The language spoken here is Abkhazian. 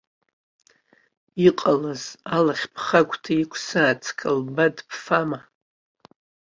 Иҟалаз алахь бхагәҭа иқәсааит, сқлаԥад бфама?